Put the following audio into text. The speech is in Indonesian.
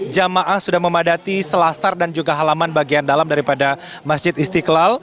jamaah sudah memadati selasar dan juga halaman bagian dalam daripada masjid istiqlal